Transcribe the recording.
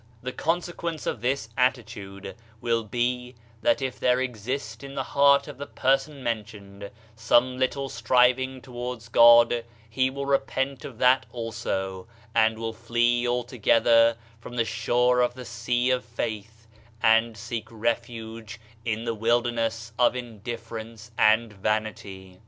The consequence of this attitude will be that if there exist in the heart of the person mentioned, some little striving towards God, he will repent of that also, and will flee altogether from the shore of the Sea of Faith and seek refuge in the wilderness of indifference and vanity.